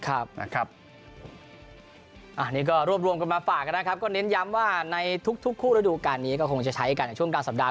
อันนี้ก็รวบรวมกันมาฝากนะครับก็เน้นย้ำว่าในทุกคู่ระดูการนี้ก็คงจะใช้กันในช่วงกลางสัปดาห